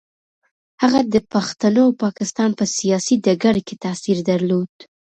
هغه د پښتنو او پاکستان په سیاسي ډګر کې تاثیر درلود.